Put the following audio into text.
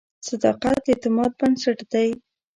صداقت د اعتماد بنسټ دی.